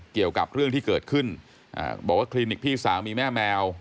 เกี่ยวกับเรื่องที่เกิดขึ้นบอกว่าคลินิกพี่สาวมีแม่แมว